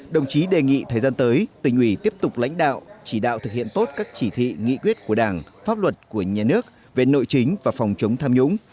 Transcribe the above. đồng chí đề nghị thời gian tới tỉnh ủy tiếp tục lãnh đạo chỉ đạo thực hiện tốt các chỉ thị nghị quyết của đảng pháp luật của nhà nước về nội chính và phòng chống tham nhũng